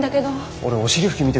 俺お尻拭き見てくるわ。